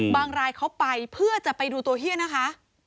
รายเขาไปเพื่อจะไปดูตัวเฮียนะคะ